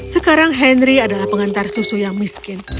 sekarang henry adalah pengantar susu yang miskin